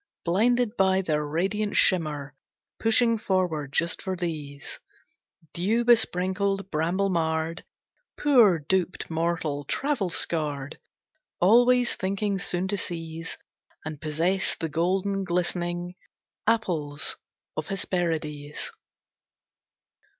Blinded by their radiant shimmer, Pushing forward just for these; Dew besprinkled, bramble marred, Poor duped mortal, travel scarred, Always thinking soon to seize And possess the golden glistening Apples of Hesperides!